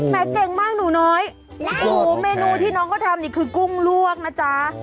เก่งมากหนูน้อยเมนูที่น้องเขาทำนี่คือกุ้งลวกนะจ๊ะ